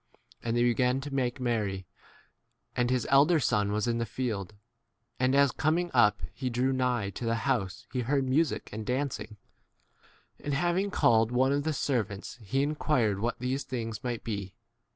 And they began to make merry. 25 And his elder son was in the field ; and as, coming [up], he drew nigh to the house he heard music and 26 dancing. And having called one of the servants, he inquired what 2 ? these things might be.